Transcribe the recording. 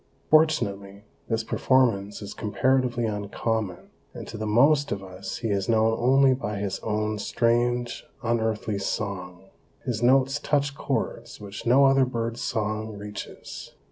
Fortunately, this performance is comparatively uncommon, and to the most of us he is known only by his own strange, unearthly song. His notes touch chords which no other bird's song reaches.